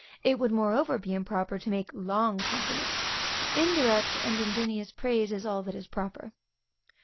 It would moreover be improper to make long compliments; indirect, and ingenious praise, is all that is proper.